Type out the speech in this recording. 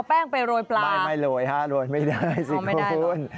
แป้งไปโรยปลายไม่โรยฮะโรยไม่ได้สิคุณ